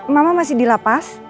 mama masih di lapas